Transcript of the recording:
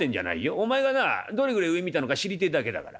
お前がなどれぐれえ上見たのか知りてえだけだから。